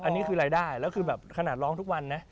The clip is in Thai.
อันนี้คือรายได้แล้วคือแบบขนาดร้องทุกวันนะ